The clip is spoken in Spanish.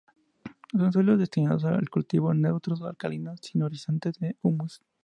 Son suelos destinados al cultivo, neutros o alcalinos, sin horizontes de humus.